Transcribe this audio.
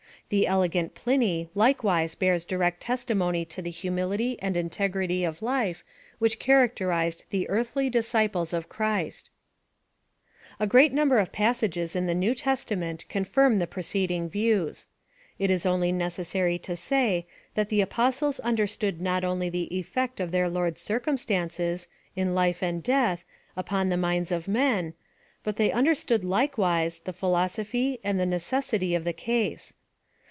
The elegant Pliny liliewise bears direct testimony to the humility and integrity of life which characterized the eariy dis ciples of Christ. PLAN OF SALVATION. 141 A great number of passages in the New Testa ment confirm the preceding views. It is only ne cessary CO say, that the Apostles understood not only the effect of their Lord's circumstances, in life and death, upon the minds of men, but they under stood likewise the philosophy, and the necessity ol the case.